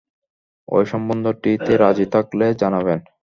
এই সম্বন্ধটি তে রাজি থাকলে জানাবেন।